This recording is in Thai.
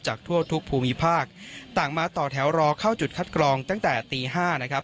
ทั่วทุกภูมิภาคต่างมาต่อแถวรอเข้าจุดคัดกรองตั้งแต่ตี๕นะครับ